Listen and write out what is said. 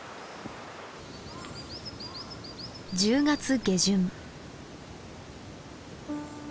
１０月下旬。